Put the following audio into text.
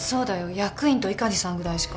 役員と碇さんぐらいしか。